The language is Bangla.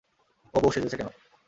ও বউ সেজেছে কেন?